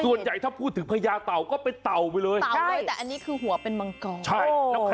ส่วนใหญ่ถ้าพูดถึงพระเจ้าที่จะเป็นเต่าไหมเลย